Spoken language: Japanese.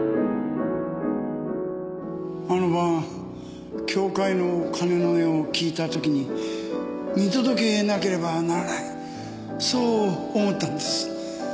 あの晩教会の鐘の音を聞いたときに見届けなければならないそう思ったんです。